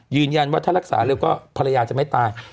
ยืนยันว่าถ้ารักษาเร็วก็ภรรยาจะไม่ตาย